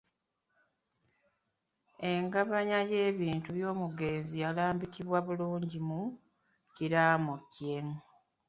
Engabanya y’ebintu by’omugenzi yalambikibwa bulungi mu kiraamo kye.